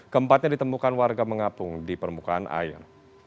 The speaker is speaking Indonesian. keempatnya ditemukan warga mengapung di permukaan air